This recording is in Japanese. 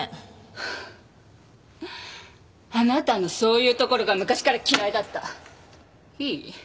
ハァあなたのそういうところが昔から嫌いだっいい？